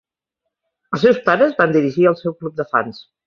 Els seus pares van dirigir el seu club de fans.